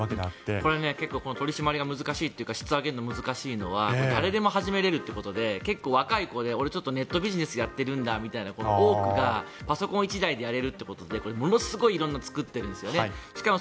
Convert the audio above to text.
これ、結構取り締まりが難しいというか質を上げるのが難しいのは誰でも始められるということで結構、若い子で俺、ネットビジネスやってるんだみたいな子の多くがパソコン１台でやれるということでものすごい色々なものを作っているんですよね。